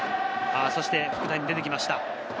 福谷が出てきました。